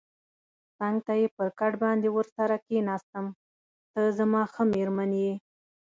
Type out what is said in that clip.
څنګ ته یې پر کټ باندې ورسره کېناستم، ته زما ښه مېرمن یې.